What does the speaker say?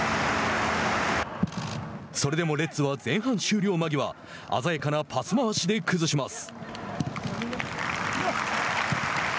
それでもレッズは前半終了間際あざやかなパス回しで崩します。